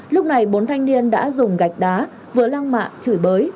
lúc này bốn thanh niên đã dùng gạch đá vừa lang mạng chửi bới